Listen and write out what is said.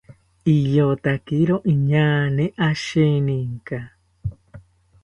Iyotakiro inaañe asheninka